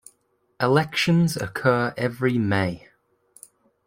Elections occur every May.